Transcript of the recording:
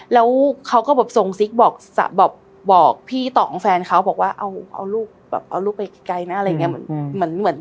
แล้วเขาก็ส่งซิกบอกพี่ต่อของแฟนเขาบอกว่าเอาลูกไปไกลนะอะไรอย่างนี้